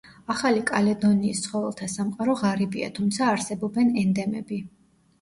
ახალი კალედონიის ცხოველთა სამყარო ღარიბია, თუმცა არსებობენ ენდემები.